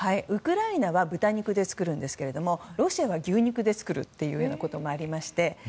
ウクライナは豚肉で作るんですがロシアは牛肉で作るということもありまして